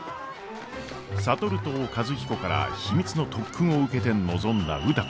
智と和彦から秘密の特訓を受けて臨んだ歌子。